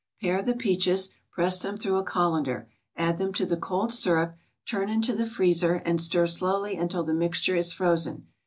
Pare the peaches, press them through a colander, add them to the cold syrup, turn into the freezer, and stir slowly until the mixture is frozen.